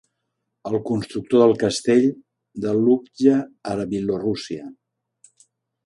El constructor del castell de Lubcha a Bielorússia.